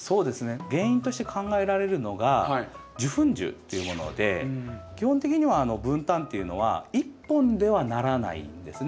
原因として考えられるのが受粉樹というもので基本的にはブンタンっていうのは１本ではならないんですね。